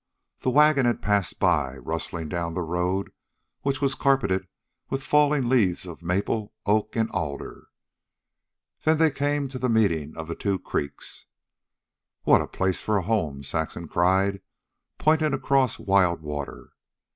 The wagon had passed by, rustling down the road, which was carpeted with fallen leaves of maple, oak, and alder. Then they came to the meeting of the two creeks. "Oh, what a place for a home," Saxon cried, pointing across Wild Water.